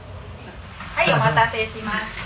はいお待たせしました。